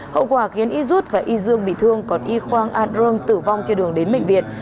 hậu quả khiến y zut và y zương bị thương còn y khoang an rung tử vong trên đường đến bệnh viện